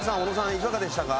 いかがでしたか？